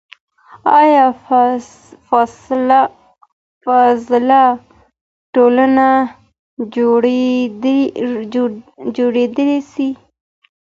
آیا فاضله ټولنه جوړیدای سي؟